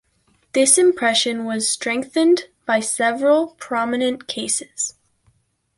This impression was strengthened by several prominent cases.